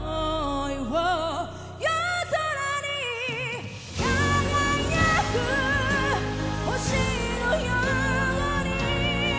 「夜空に輝く星のように」